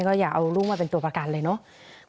ก็อย่าเอาลูกมาเป็นตัวประกันเลยเนาะ